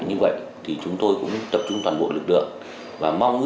như vậy thì chúng tôi cũng tập trung toàn bộ lực lượng và mong